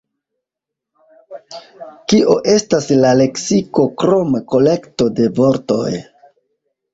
Kio estas la leksiko krom kolekto de vortoj?